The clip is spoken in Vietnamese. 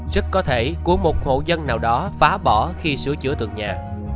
chất có thể của một hộ dân nào đó phá bỏ khi sửa chữa tượng nhà